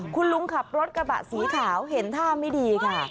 คุณลุงขับรถกระบะสีขาวเห็นท่าไม่ดีค่ะ